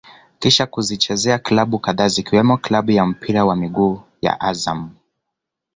Kisha kuzichezea klabu kadhaa zikiwemo klabu ya mpira wa miguu ya Azam